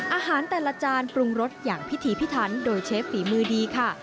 อาหารแต่ละจานปรุงรสอย่างพิธีพิทันโดยเชฟฝีมือดีค่ะ